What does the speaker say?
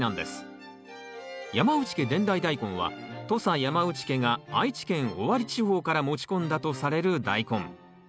山内家伝来大根は土佐山内家が愛知県尾張地方から持ち込んだとされるダイコン。